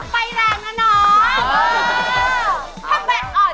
ไปแรงแล้วหนอ